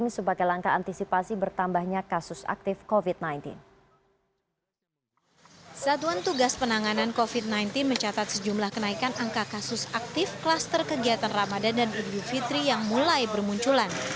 satuan tugas penanganan covid sembilan belas mencatat sejumlah kenaikan angka kasus aktif kluster kegiatan ramadan dan idul fitri yang mulai bermunculan